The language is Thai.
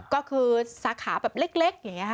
ก็คือสาขาแบบเล็กอย่างนี้ค่ะ